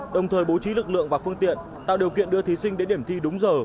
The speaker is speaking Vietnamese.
đồng thời bố trí lực lượng và phương tiện tạo điều kiện đưa thí sinh đến điểm thi đúng giờ